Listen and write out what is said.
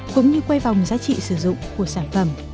cũng như quay vòng giá trị sử dụng của sản phẩm